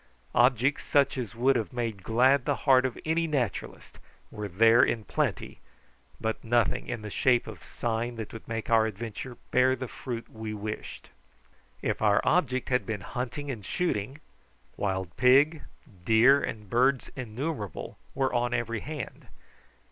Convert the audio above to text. Objects such as would have made glad the heart of any naturalist were there in plenty, but nothing in the shape of sign that would make our adventure bear the fruit we wished. If our object had been hunting and shooting, wild pig, deer, and birds innumerable were on every hand.